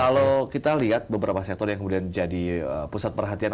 kalau kita lihat beberapa sektor yang kemudian jadi pusat perhatian